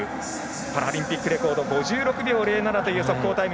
パラリンピックレコード５６秒０７という速報タイム。